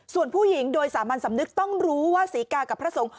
ส่วนผู้หญิงโดยสามัญสำนึกต้องรู้ว่าศรีกากับพระสงฆ์